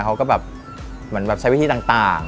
เขาก็แบบใช้วิธีต่าง